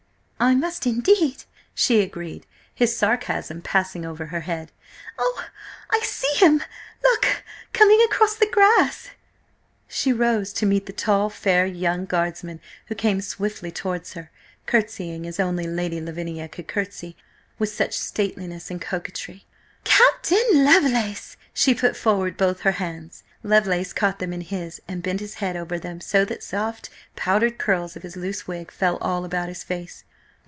"I must, indeed," she agreed, his sarcasm passing over her head. "Oh, I see him! Look! Coming across the grass!" She rose to meet the tall, fair young Guardsman who came swiftly towards her, curtsying as only Lady Lavinia could curtsy, with such stateliness and coquetry. "Captain Lovelace!"–she put forward both her hands. Lovelace caught them in his, and bent his head over them so that the soft, powdered curls of his loose wig fell all about his face.